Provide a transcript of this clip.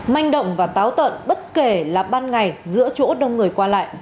manh động và táo tợn bất kể là ban ngày giữa chỗ đông người qua lại